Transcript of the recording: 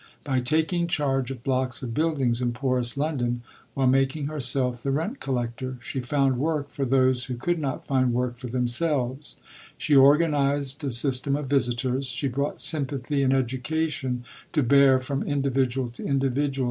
By taking charge of blocks of buildings in poorest London, while making herself the rent collector, she found work for those who could not find work for themselves; she organized a system of visitors; ... she brought sympathy and education to bear from individual to individual